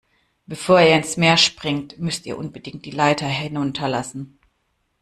Bevor ihr ins Meer springt, müsst ihr unbedingt die Leiter hinunterlassen.